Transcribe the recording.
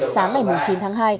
sáng ngày chín tháng hai